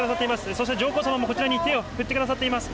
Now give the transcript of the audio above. そして上皇さまもこちらに手を振ってくださっています。